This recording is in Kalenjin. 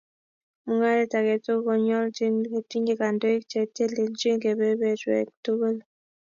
Mung'aret age tugul konyoljin kotinye kandoik cheteleljin kebeberwek tugul